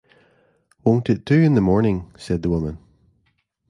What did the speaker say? ‘Won’t it do in the morning?’ said the woman.